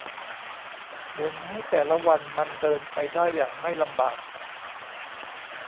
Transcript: หมุนให้แต่ละวันมันเดินไปได้อย่างไม่ลำบาก